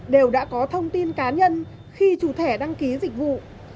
đều đã có thông tin cá nhân khi chủ thẻ đăng ký dịch vụ